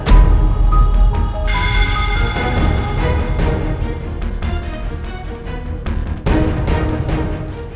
sampai jumpa di video selanjutnya